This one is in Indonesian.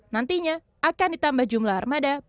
nantinya akan ditambah jumlah armada bagi mikrotrans ber ac